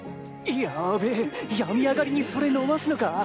やべぇ病み上がりにそれ飲ますのか？